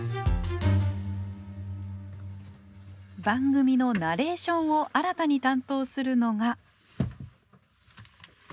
番組のナレーションを新たに担当するのが。